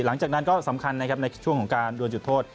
หลังจากนั้นก็สำคัญนะครับในช่วงของการดวนจุดโทษ